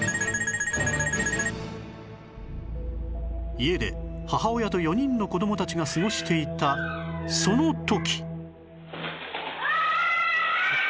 家で母親と４人の子供たちが過ごしていたその時